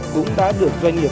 cũng đã được doanh nghiệp